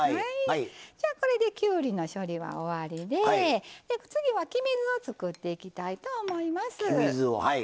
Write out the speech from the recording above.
これできゅうりの処理は終わりで次に黄身酢を作っていきたいと思います。